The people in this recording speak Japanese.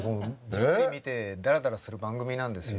じっくり見てだらだらする番組なんですよ